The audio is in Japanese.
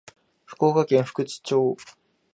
福岡県福智町